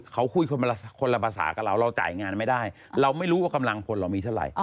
เขาคุยคนละภาษากับเราเราจ่ายงานไม่ได้เราไม่รู้ว่ากำลังพลเรามีเท่าไหร่